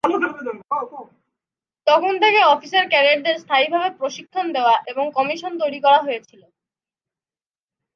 তখন থেকেই অফিসার ক্যাডেটদের স্থানীয়ভাবে প্রশিক্ষণ দেওয়া এবং কমিশন করা হয়েছিলো।